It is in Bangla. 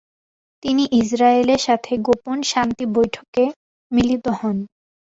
তিনি ইসরায়েলের সাথে গোপন শান্তি বৈঠকে তিনি মিলিত হন।